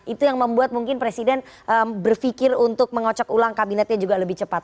itu yang membuat mungkin presiden berpikir untuk mengocok ulang kabinetnya juga lebih cepat